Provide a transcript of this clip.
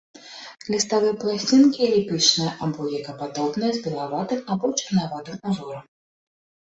Ліставыя пласцінкі эліптычныя або яйкападобныя, з белаватым або чырванаватым узорам.